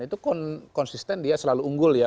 itu konsisten dia selalu unggul ya